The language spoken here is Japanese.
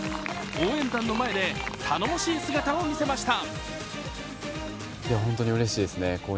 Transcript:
応援団の前で頼もしい姿を見せました。